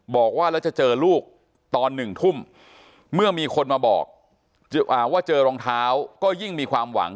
บอกว่าแล้วจะเจอลูกตอน๑ทุ่มเมื่อมีคนมาบอกว่าเจอรองเท้าก็ยิ่งมีความหวัง